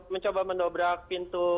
mencoba mendobrak pintu